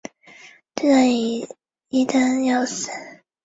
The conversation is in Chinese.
队长为伊丹耀司。